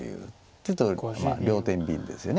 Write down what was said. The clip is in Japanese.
ちょっと両てんびんですよね